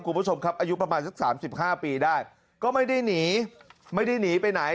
คุณผู้ชมครับอายุประมาณสักสามสิบห้าปีได้ก็ไม่ได้หนีไม่ได้หนีไปไหน